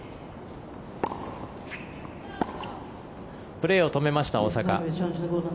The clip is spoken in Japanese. プレーを止めました大坂。